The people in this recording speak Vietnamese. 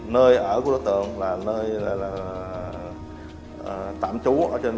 nơi ở của đối tượng là nơi ở của đối tượng nơi ở của đối tượng là nơi ở của đối tượng